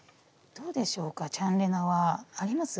どうでしょうかチャンレナはあります？